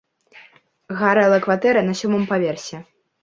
Гарэла кватэра на сёмым паверсе.